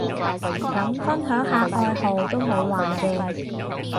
咁分享下愛好都無壞嘅